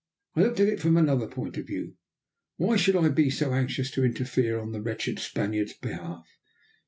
I looked at it from another point of view. Why should I be so anxious to interfere on the wretched Spaniard's behalf?